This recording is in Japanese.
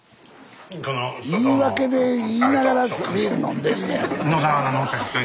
言い訳で言いながらビール飲んでんねや。